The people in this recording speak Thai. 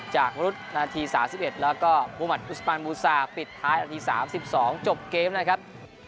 จากรุธนาที๓๑แล้วก็มุมัติอุสปานบูซาปิดท้ายนาที๓๒จบเกมนะครับ